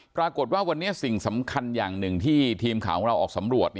ปรากฏว่าวันนี้สิ่งสำคัญอย่างหนึ่งที่ทีมข่าวของเราออกสำรวจ